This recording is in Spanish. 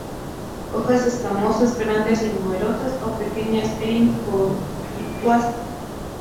Hojas escamosas, grandes y numerosas o pequeñas e inconspicuas.